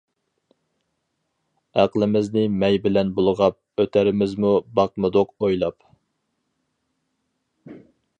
ئەقلىمىزنى مەي بىلەن بۇلغاپ، ئۆتەرمىزمۇ باقمىدۇق ئويلاپ.